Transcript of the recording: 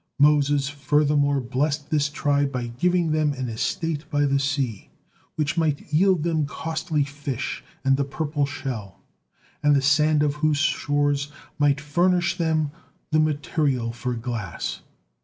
Moses furthermore blessed this tribe by giving them an estate by the sea, which might yield them costly fish and the purple shell, and the sand of whose shores might furnish them the material for glass.